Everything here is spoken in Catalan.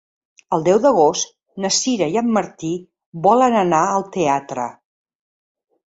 El deu d'agost na Sira i en Martí volen anar al teatre.